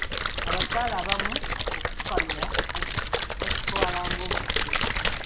Abakyala abamu okufukamira bakitwala ng’obufuge.